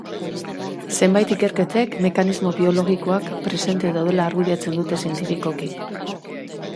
Zenbait ikerketek mekanismo biologikoak presente daudela argudiatzen dute zientifikoki.